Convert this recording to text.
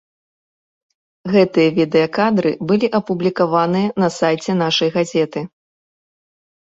Гэтыя відэакадры былі апублікаваныя на сайце нашай газеты.